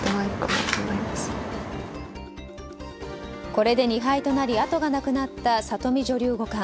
これで２敗となりあとがなくなった里見女流五冠。